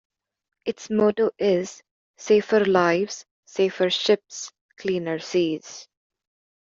Its motto is "Safer Lives, Safer Ships, Cleaner Seas".